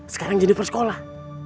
sekarang janiper sekolah